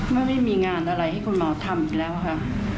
ไม่ได้มีงานอะไรให้คุณหมอทำอีกแล้วค่ะ